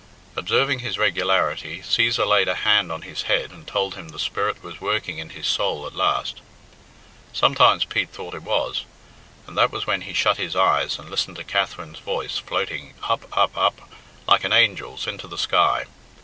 Observing his regularity, Cæsar laid a hand on his head and told him the Spirit was working in his soul at last. Sometimes Pete thought it was, and that was when he shut his eyes and listened to Katherine's voice floating up, up, up, like an angel's, into the sky.